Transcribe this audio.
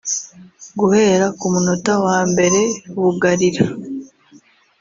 Guhera ku munota wa mbere bugarira